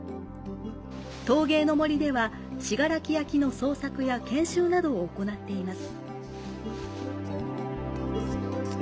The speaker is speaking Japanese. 陶芸の森では、信楽焼の創作や研修などを行っています。